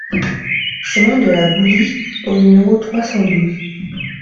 Chemin de la Boulie au numéro trois cent douze